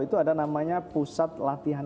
itu ada namanya pusat latihan